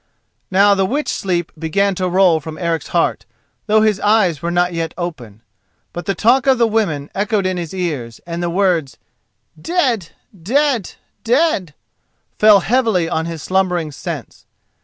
Now the witch sleep began to roll from Eric's heart, though his eyes were not yet open. But the talk of the women echoed in his ears, and the words "dead!" "dead!" "dead!" fell heavily on his slumbering sense.